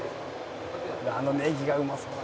「あのネギがうまそうだな」